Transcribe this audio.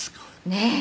「ねえ。